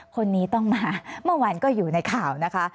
คนนี้ต้องมาเมื่อวานก็อยู่ในข่าวนะคะ